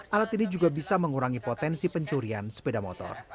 alat ini juga bisa mengurangi potensi pencurian sepeda motor